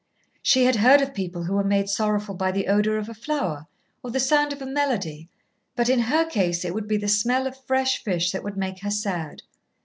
She had heard of people who were made sorrowful by the odour of a flower or the sound of a melody but in her case it would be the smell of fresh fish that would make her sad.